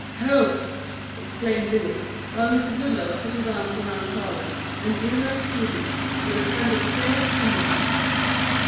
"Help!" exclaimed Billy, while Mr. Goodloe put his arm around Charlotte and drew her to him with a kind of fierce tenderness.